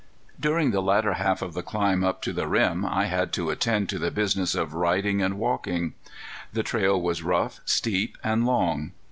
During the latter half of the climb up to the rim I had to attend to the business of riding and walking. The trail was rough, steep, and long.